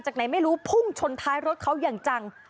ไหนไม่รู้พุ่งชนท้ายรถเขาอย่างจัง